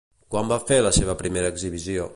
Quan va fer la seva primera exhibició?